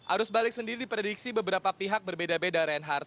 arus balik sendiri diprediksi beberapa pihak berbeda beda reinhardt